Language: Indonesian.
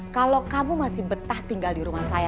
kalau kamu masih betah tinggal di rumah saya